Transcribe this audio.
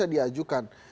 maksudnya bisa diajukan